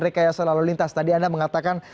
rekayasa lalu lintas tadi anda mengatakan